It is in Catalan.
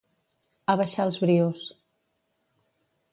Abaixar els brios.